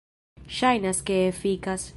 Ŝajnas ke efikas.